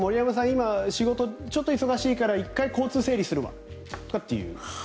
今、仕事ちょっと忙しいから一回交通整理するわとかって。